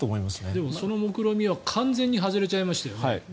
でもその目論見は完全に外れちゃいましたよね。